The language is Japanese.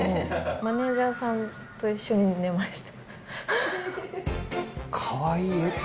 マネージャーさんと一緒に寝ました。